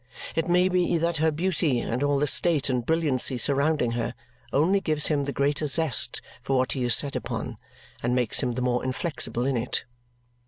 It may be that her beauty and all the state and brilliancy surrounding her only gives him the greater zest for what he is set upon and makes him the more inflexible in it.